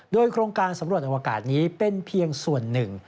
โดยโครงการสำรวจอวกาศนี้เป็นเพียงส่วนหนึ่ง